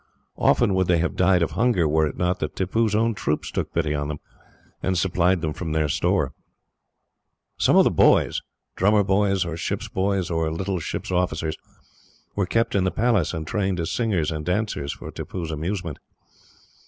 Often would they have died of hunger, were it not that Tippoo's own troops took pity on them, and supplied them from their store. "Some of the boys, drummer boys, or ship's boys, or little ship's officers, were kept in the Palace and trained as singers and dancers for Tippoo's amusement.